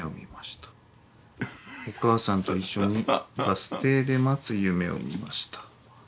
お母さんといっしょにバス停で待つ夢を見ました。